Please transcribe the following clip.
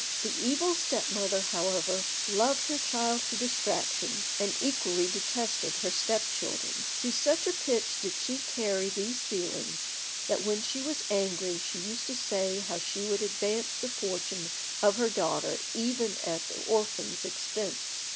The evil step mother, however, loved her child to distraction, and equally detested her step children. To such a pitch did she carry these feelings that when she was angry she used to say how she would advance the fortune of her daughter even at the orphans' expense.